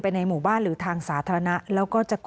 ไม่รู้จริงว่าเกิดอะไรขึ้น